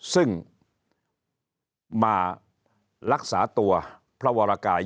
ซึ่งมารักษาตัวพระวรกาย